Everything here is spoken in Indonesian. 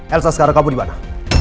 elsa sekarang kamu di mana